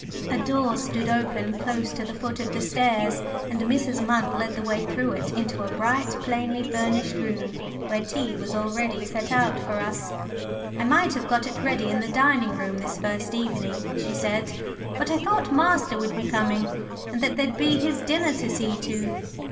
A door stood open close to the foot of the stairs, and Mrs. Munt led the way through it into a bright, plainly furnished room, where tea was already set out for us. "I might have got it ready in the dining room this first evening," she said, "but I thought master would be coming, and that there'd be his dinner to see to.